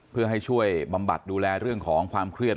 เพื่อให้ช่วยบำบัดดูแลเรื่องของความเครียด